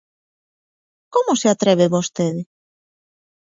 ¿Como se atreve vostede?